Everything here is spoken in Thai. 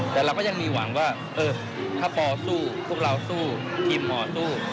แต่เราก็ยังมีหวังว่าเออถ้าปอสู้พวกเราสู้ทีมหมอสู้